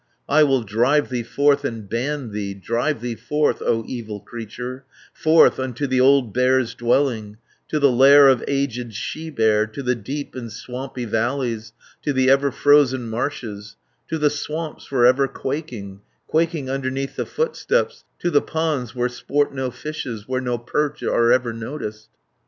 "I will drive thee forth and ban thee, Drive thee forth, O evil creature, Forth unto the old bear's dwelling, To the lair of aged she bear, 400 To the deep and swampy valleys, To the ever frozen marshes, To the swamps for ever quaking, Quaking underneath the footsteps, To the ponds where sport no fishes, Where no perch are ever noticed.